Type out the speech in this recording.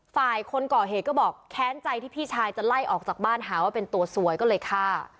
ฝ่ายคนก่อเหตุก็บอกแค้นใจที่พี่ชายจะไล่ออกจากบ้านหาว่าเป็นตัวสวยก็เลยฆ่า